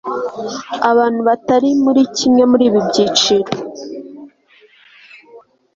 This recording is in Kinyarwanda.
abantu batari muri kimwe muri ibi byiciro